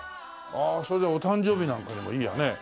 それでお誕生日なんかにもいいよね。